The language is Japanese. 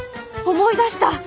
思い出した！